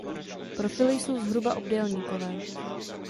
Profily jsou zhruba obdélníkové.